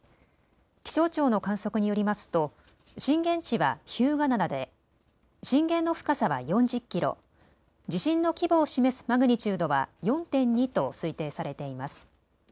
気象庁の観測によりますと震源地は日向灘で震源の深さは４０キロ、地震の規模を示すマグニチュードは４．２と推定されています。